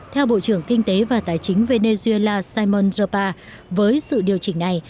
theo bộ trưởng kinh tế và tài chính venezuela simon ropa với sự điều chỉnh này